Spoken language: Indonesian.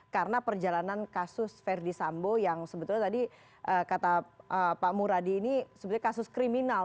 karena perjalanan kasus verdi sambo yang sebetulnya tadi kata pak muradi ini sebenarnya kasus kriminal